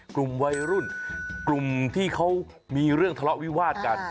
กลุ่มวัยรุ่นกลุ่มที่เขามีเรื่องทะเลาะวิวาดกัน